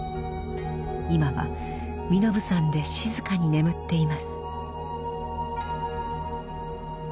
今は身延山で静かに眠っています。